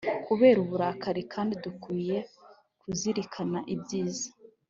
kubera uburakari kandi dukwiye kuzirikana ibyiza